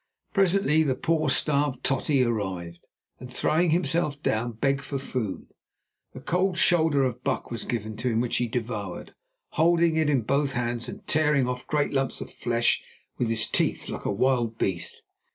Presently the poor, starved "Totty" arrived, and throwing himself down, begged for food. A cold shoulder of buck was given to him, which he devoured, holding it in both hands and tearing off great lumps of flesh with his teeth like a wild beast.